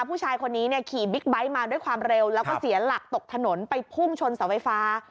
ผู้ชายคนนี้เนี่ยขี่บิ๊กไบท์มาด้วยความเร็วแล้วก็เสียหลักตกถนนไปพุ่งชนเสาไฟฟ้า